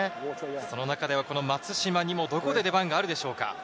その中で松島に、どこで出番があるでしょうか。